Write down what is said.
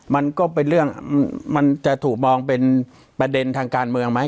มันก็เป็นเรื่องมันจะถูกมองเป็นประเด็นทางการเมืองไหม